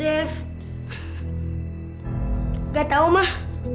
dev gak tahu mah